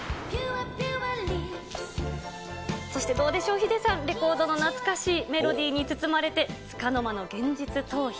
そしてどうでしょう、ヒデさん、レコードの懐かしいメロディーに包まれて、つかの間の現実逃避。